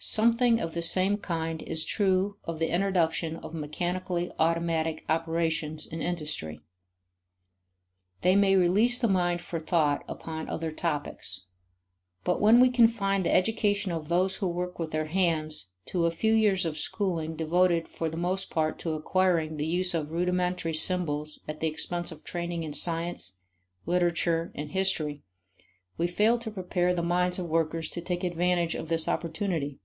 Something of the same kind is true of the introduction of mechanically automatic operations in industry. They may release the mind for thought upon other topics. But when we confine the education of those who work with their hands to a few years of schooling devoted for the most part to acquiring the use of rudimentary symbols at the expense of training in science, literature, and history, we fail to prepare the minds of workers to take advantage of this opportunity.